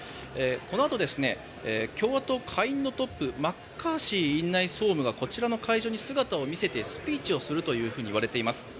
このあと共和党下院のトップマッカーシー院内総務がこちらの会場に姿を見せてスピーチをするといわれています。